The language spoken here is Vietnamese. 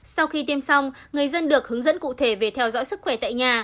sau khi tiêm xong người dân được hướng dẫn cụ thể về theo dõi sức khỏe tại nhà